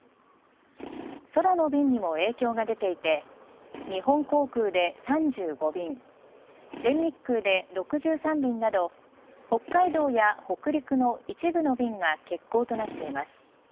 空の便にも影響が出ていて日本航空で３５便全日空で６３便など北海道や北陸の一部の便が欠航となっています。